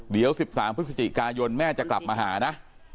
เดี๋ยว๑๓พฤศจิกายนแม่จะกลับมาหานะ